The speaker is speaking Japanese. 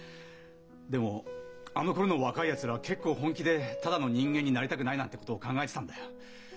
でもあのころの若いやつらは結構本気で「ただの人間になりたくない」なんてことを考えてたんだよ。